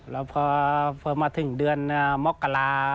แล้วพอมาถึงเดือนมกรา